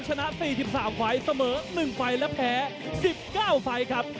ชนะ๔๓ฟัยเสมอ๑ฟัยและแพ้๑๙ฟัยครับ